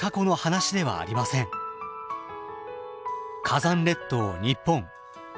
火山列島日本。